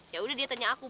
yaudah dia tanya aku